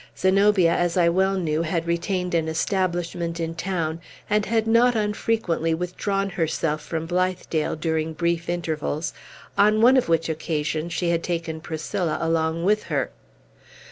Zenobia, as I well knew, had retained an establishment in town, and had not unfrequently withdrawn herself from Blithedale during brief intervals, on one of which occasions she had taken Priscilla along with her.